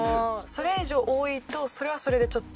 それ以上多いとそれはそれでちょっと。